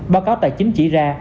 báo cáo tài chính chỉ ra